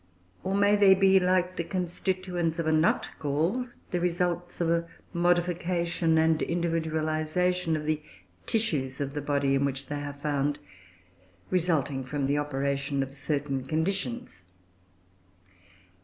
or may they be, like the constituents of a nut gall, the results of a modification and individualisation of the tissues of the body in which they are found, resulting from the operation of certain conditions?